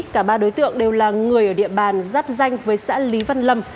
cả ba đối tượng đều là người ở địa bàn giáp danh với xã lý văn lâm